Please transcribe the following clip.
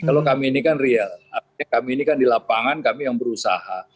kalau kami ini kan real artinya kami ini kan di lapangan kami yang berusaha